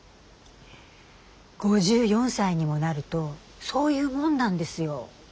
５４歳にもなるとそういうもんなんですよ。